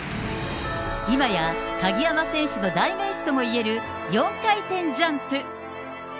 今や鍵山選手の代名詞ともいえる４回転ジャンプ。